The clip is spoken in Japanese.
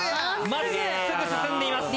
まっすぐ進んでいます。